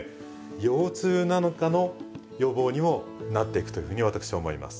腰痛なんかの予防にもなっていくというふうに私は思います。